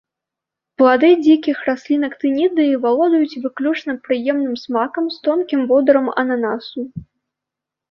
Плады дзікіх раслін актынідыі валодаюць выключна прыемным смакам з тонкім водарам ананасу.